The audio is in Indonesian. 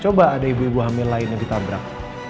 coba ada ibu ibu hamil lain yang ditabrak